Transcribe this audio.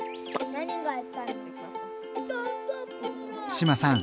志麻さん